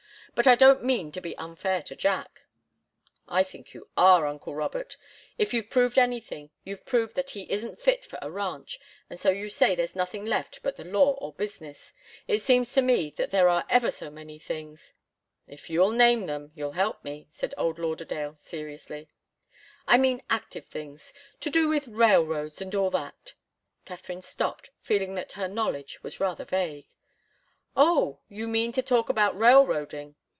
But I don't mean to be unfair to Jack." "I think you are, uncle Robert. If you've proved anything, you've proved that he isn't fit for a ranch and so you say there's nothing left but the law or business. It seems to me that there are ever so many things " "If you'll name them, you'll help me," said old Lauderdale, seriously. "I mean active things to do with railroads, and all that " Katharine stopped, feeling that her knowledge was rather vague. "Oh! You mean to talk about railroading.